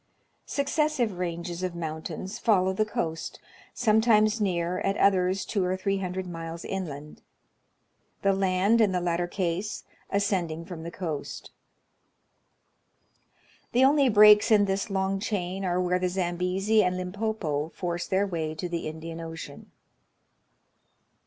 Successive ranges of mount ains follow the coast, sometimes near, at others two or three hundred miles inland ; the land, in the latter case, ascending from the coast. The only breaks in this long chain are where the Zambezi and Limpopo force their way to the Indian Ocean.